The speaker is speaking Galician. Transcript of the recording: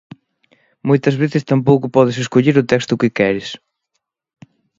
Moitas veces tampouco podes escoller o texto que queres.